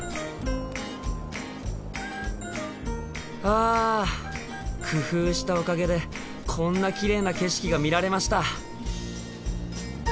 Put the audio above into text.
あ工夫したおかげでこんなきれいな景色が見られました。